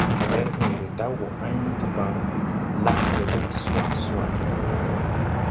Mberhẽẽre da wɔ ãy debaŋ, lag wɔ jag swa swa ti hɔɔlɛ.